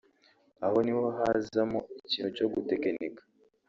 Aho niho hazamo ikintu cyo gutekinika